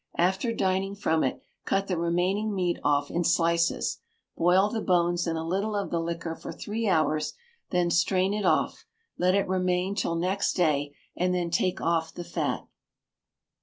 After dining from it, cut the remaining meat off in slices. Boil the bones in a little of the liquor for three hours; then strain it off, let it remain till next day, and then take off the fat.